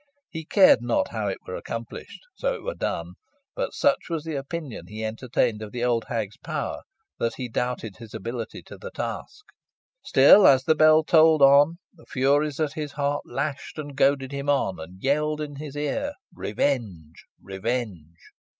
He cared not how it were accomplished so it were done; but such was the opinion he entertained of the old hag's power, that he doubted his ability to the task. Still, as the bell tolled on, the furies at his heart lashed and goaded him on, and yelled in his ear revenge revenge!